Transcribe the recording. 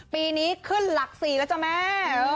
ปีนี้ขึ้นหลัก๔แล้วจ้ะแม่